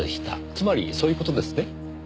つまりそういう事ですね？